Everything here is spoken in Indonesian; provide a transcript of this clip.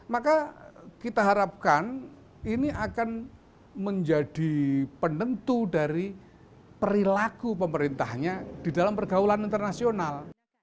maka kita harapkan ini akan menjadi penentu dari perilaku pemerintahnya di dalam pergaulan internasional